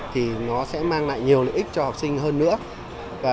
thì nó sẽ mang lại nhiều lợi ích cho học sinh hơn nữa